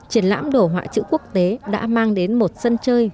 triển lãm đồ họa chữ quốc tế đã mang đến một sân chơi